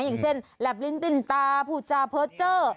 อย่างเช่นแหลบลิ้นติ้นตาพูดจาเพิร์ตเจอร์